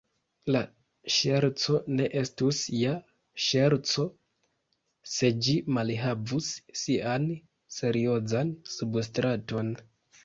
La ŝerco ne estus ja ŝerco, se ĝi malhavus sian seriozan substraton.